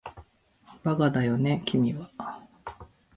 バカだよね君は